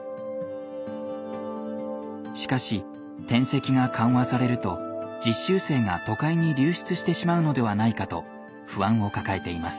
しかし転籍が緩和されると実習生が都会に流出してしまうのではないかと不安を抱えています。